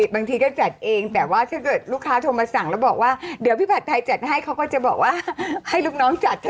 พี่ผัดเปิดร้านดอกไม้อยู่ที่ไหน